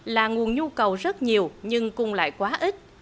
là nguồn nhu cầu rất nhiều nhưng cung lại quá ít